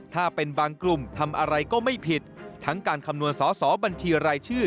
ถ้าเป็นบางกลุ่มทำอะไรก็ไม่ผิดทั้งการคำนวณสอสอบัญชีรายชื่อ